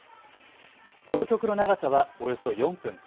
この曲の長さはおよそ４分。